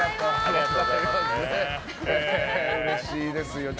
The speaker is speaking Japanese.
うれしいですよ。